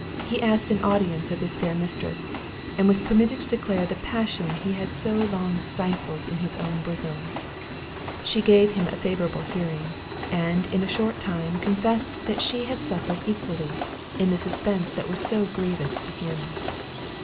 He asked an audience of his fair mistress, and was permitted to declare the passion he had so long stifled in his own bosom. She gave him a favourable hearing, and in a short time confessed that she had suffered equally in that suspense that was so grievous to him.